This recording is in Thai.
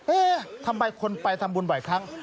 เอ๊ะทำไมคนไปทำบุญบ่อยครั้ง